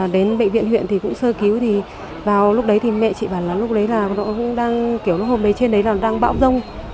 đến bệnh viện huyện thì cũng sơ cứu vào lúc đấy thì mẹ chị bảo là lúc đấy là hôm đấy trên đấy là đang bão rông